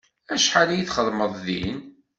Acḥal ay txedmeḍ din?